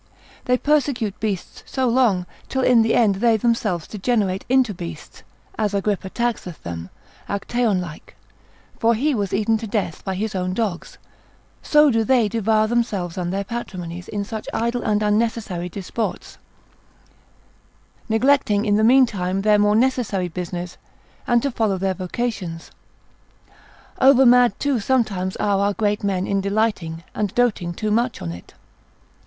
They persecute beasts so long, till in the end they themselves degenerate into beasts, as Agrippa taxeth them, Actaeon like, for as he was eaten to death by his own dogs, so do they devour themselves and their patrimonies, in such idle and unnecessary disports, neglecting in the mean time their more necessary business, and to follow their vocations. Over mad too sometimes are our great men in delighting, and doting too much on it.